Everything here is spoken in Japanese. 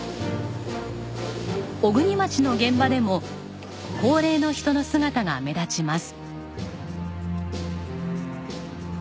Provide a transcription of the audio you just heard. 小国町の現場でも高齢の人の姿が目立ちます。